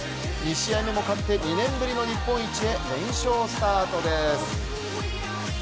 ２試合目も勝って２年ぶりの日本一へ連勝スタートです。